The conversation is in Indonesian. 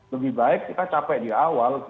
lebih baik kita capek di awal